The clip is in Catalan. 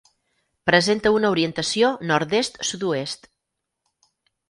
Presenta una orientació nord-est-sud-oest.